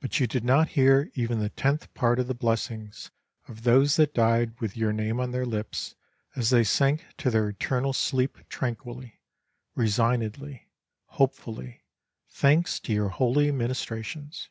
But you did not hear even the tenth part of the blessings of those that died with your name on their lips as they sank to their eternal sleep tranquilly, resignedly, hopefully, thanks to your holy ministrations!